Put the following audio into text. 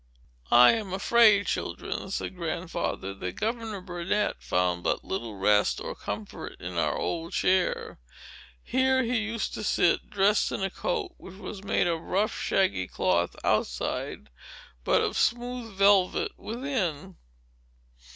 "I am afraid, children," said Grandfather, "that Governor Burnet found but little rest or comfort in our old chair. Here he used to sit, dressed in a coat which was made of rough, shaggy cloth outside, but of smooth velvet within.